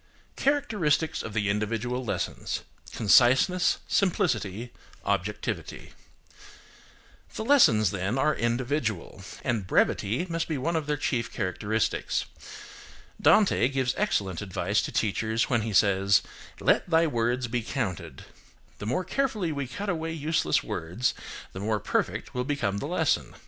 CHARACTERISTICS OF THE INDIVIDUAL LESSONS:– CONCISENESS, SIMPLICITY, OBJECTIVITY. The lessons, then, are individual, and brevity must be one of their chief characteristics. Dante gives excellent advice to teachers when he says, "Let thy words be counted." The more carefully we cut away useless words, the more perfect will become the lesson.